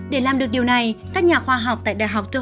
để làm được điều này các nhà khoa học tại đại học thái lan